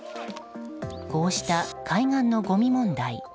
こうした海岸のごみ問題。